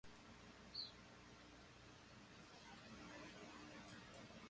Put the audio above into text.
A diversidade cultural enriquece a sociedade de forma única.